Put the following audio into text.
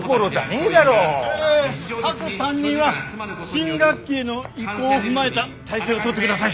ええ各担任は新学期への移行を踏まえた体制を取ってください。